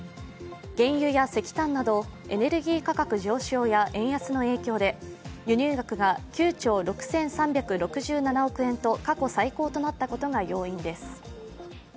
原油や石炭などエネルギー価格上昇や円安の影響で輸入額が９兆６３６７億円と過去最高となったことが要因です。